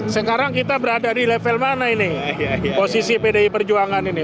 sekarang kita berada di level mana ini posisi pdi perjuangan ini